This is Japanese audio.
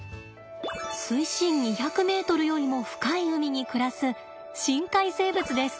水深２００ｍよりも深い海に暮らす深海生物です。